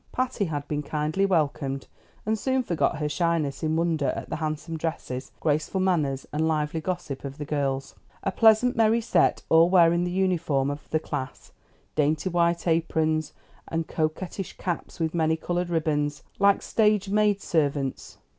Patty had been kindly welcomed, and soon forgot her shyness in wonder at the handsome dresses, graceful manners, and lively gossip of the girls. A pleasant, merry set, all wearing the uniform of the class, dainty white aprons and coquettish caps with many colored ribbons, like stage maid servants.